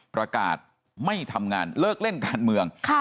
ประกาศไม่ทำงานเลิกเล่นการเมือง